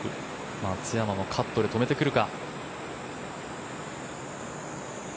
松山もカットで止めてくるか。